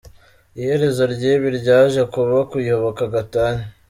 Iherezo ry'ibi ryaje kuba kuyoboka gatanya.